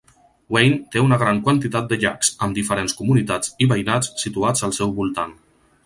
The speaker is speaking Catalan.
Wayne té una gran quantitat de llacs, amb diferents comunitats i veïnats situats al seu voltant.